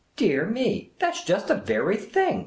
" Dear me, that 's just the very thing.